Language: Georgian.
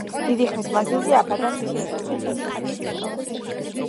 დიდი ხნის მანძილზე აბადანი მცირე სოფელი იყო.